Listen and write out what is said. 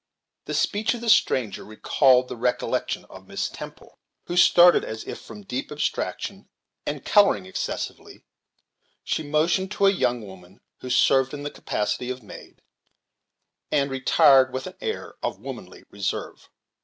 The speech of the stranger recalled the recollection of Miss Temple, who started as if from deep abstraction, and, coloring excessively, she motioned to a young woman who served in the capacity of maid, and retired with an air of womanly reserve.